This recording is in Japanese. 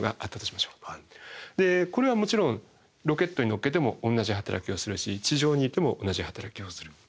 これはもちろんロケットにのっけても同じ働きをするし地上にいても同じ働きをする。